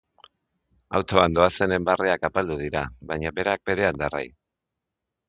Autoan doazenen barreak apaldu dira, baina berak berean darrai.